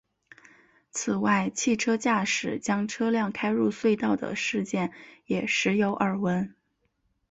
此外汽车驾驶将车辆开入隧道的事件也时有耳闻。